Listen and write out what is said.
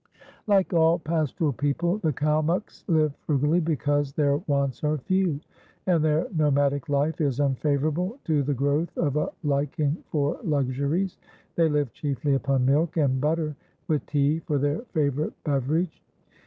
Like all pastoral people, the Kalmuks live frugally, because their wants are few, and their nomadic life is unfavourable to the growth of a liking for luxuries. They live chiefly upon milk and butter, with tea for their favourite beverage.